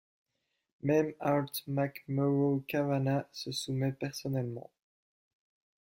Même Art Mac Murrough Kavanagh se soumet personnellement.